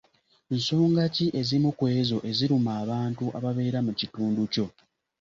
Nsonga ki ezimu ku ezo eziruma abantu ababeera mu kitundu kyo?